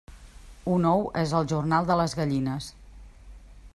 Un ou és el jornal de les gallines.